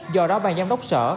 do đó bà giám đốc sở